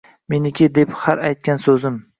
Meniki, deb har aytgan so‘zim.